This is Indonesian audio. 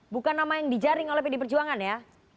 bukan nama yang di jaring oleh bd perjuangan ya